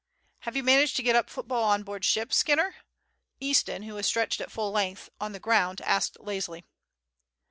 "Have you managed to get up football on board ship, Skinner?" Easton, who was stretched at full length on the ground, asked lazily.